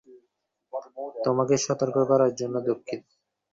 তোমাকে সতর্ক করার জন্য দুঃখিত।